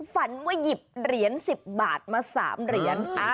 ฝันว่าหยิบเหรียญ๑๐บาทมา๓เหรียญ